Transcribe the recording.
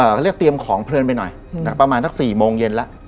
เราก็เรียกเตรียมของเพลินไปหน่อยอืมนะครับประมาณสักสี่โมงเย็นละ